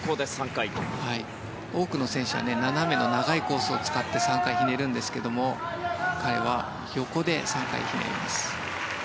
多くの選手は斜めの長いコースを使って、３回ひねるんですが彼は横で３回ひねります。